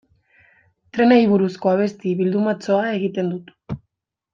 Trenei buruzko abesti bildumatxoa egiten dut.